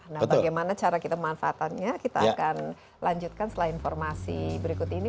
nah bagaimana cara kita manfaatannya kita akan lanjutkan setelah informasi berikut ini